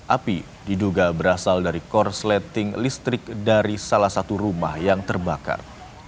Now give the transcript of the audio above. api diduga berasal dari korsleting listrik dari salah satu rumah yang terbakar